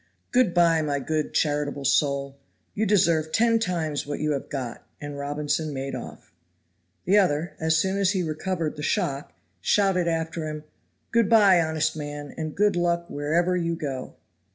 "Good by, my good, charitable soul; you deserve ten times what you have got," and Robinson made off. The other, as soon as he recovered the shock, shouted after him, "Good by, honest man, and good luck wherever you go."